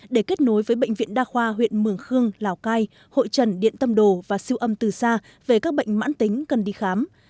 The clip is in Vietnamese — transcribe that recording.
để kết nối với bệnh viện đa khoa huyện mường khương lào cai hội trần điện tâm đồ và siêu âm từ xa về các bệnh mãn tính cần đi khám